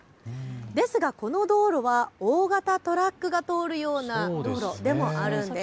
ですが、この道路は大型トラックが通るような道路でもあるんです。